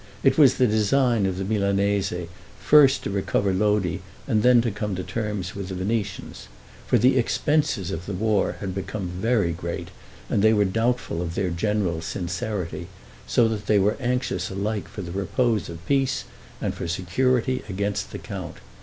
It was the design of the Milanese, first to recover Lodi and then to come to terms with the Venetians; for the expenses of the war had become very great, and they were doubtful of their general's sincerity, so that they were anxious alike for the repose of peace, and for security against the count.